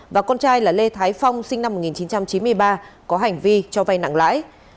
và con trai là lê thái phong sinh năm một nghìn chín trăm chín mươi ba có hành vi cho vay nặng lãi